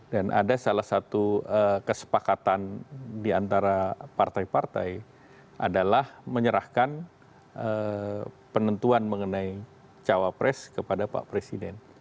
dan ada salah satu kesepakatan diantara partai partai adalah menyerahkan penentuan mengenai cawapres kepada pak presiden